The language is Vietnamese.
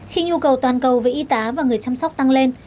khi nhu cầu toàn cầu về y tá và người chăm sóc tăng lên